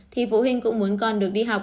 thì phụ huynh cũng muốn con được đi học